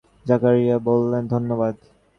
জাকারিয়া বললেন, ধন্যবাদ।